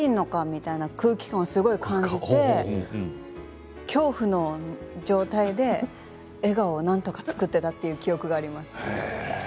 みたいな空気感をすごい感じて恐怖の状態で笑顔をなんとか作っていたという記憶があります。